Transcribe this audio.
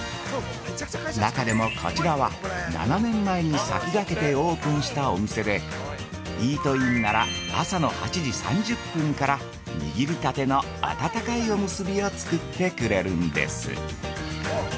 中でもこちらは、７年前に先駆けてオープンしたお店でイートインなら朝の８時３０分から握りたての温かいおむすびを作ってくれるんです。